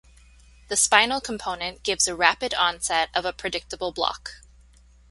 The spinal component gives a rapid onset of a predictable block.